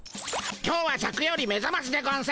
今日はシャクよりめざましでゴンス。